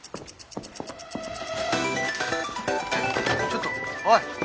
ちょっとおい！